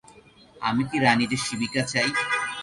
আমি কি রাণী যে শিবিকা চাই।